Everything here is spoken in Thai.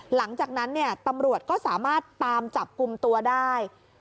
หลังจากนั้นเนี่ยตำรวจก็สามารถตามจับกลุ่มตัวได้